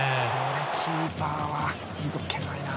キーパーは動けないな。